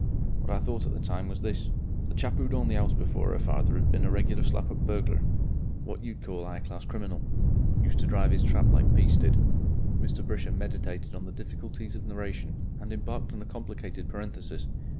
What I thought at the time was this. The chap who'd owned the 'ouse before 'er father 'd been a regular slap up burglar. What you'd call a 'igh class criminal. Used to drive 'is trap like Peace did." Mr. Brisher meditated on the difficulties of narration and embarked on a complicated parenthesis.